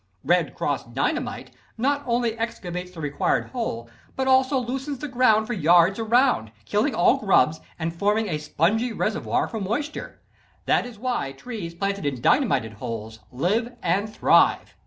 "Red Cross" Dynamite not only excavates the required hole, but also loosens the ground for yards around, killing all grubs, and forming a spongy reservoir for moisture. That is why trees planted in dynamited holes live and thrive.